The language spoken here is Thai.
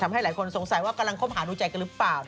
หลายคนสงสัยว่ากำลังคบหาดูใจกันหรือเปล่า